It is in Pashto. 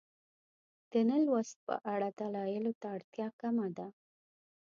د نه لوست په اړه دلایلو ته اړتیا کمه ده.